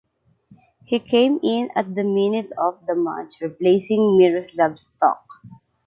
He came in at the minute of the match replacing Miroslav Stoch.